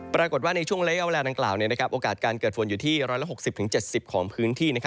ปรากฏว่าในช่วงระยะเวลาดังกล่าวโอกาสการเกิดฝนอยู่ที่๑๖๐๗๐ของพื้นที่